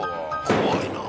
怖いな。